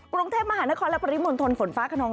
กรุงเทพมหานครและปริมณฑลฝนฟ้าขนอง